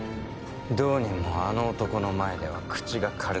どうにもあの男の前では口が軽くなる。